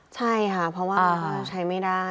ใช่ค่ะเพราะว่าใช้ไม่ได้